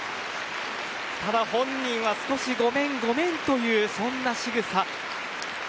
ただ本人は少しごめんごめんと、そんなしぐさ。